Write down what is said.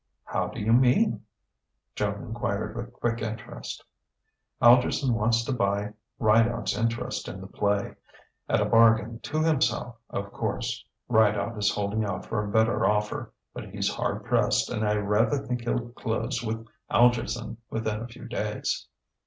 "How do you mean?" Joan enquired with quick interest. "Algerson wants to buy Rideout's interest in the play at a bargain to himself, of course. Rideout is holding out for a better offer, but he's hard pressed, and I rather think he'll close with Algerson within a few days."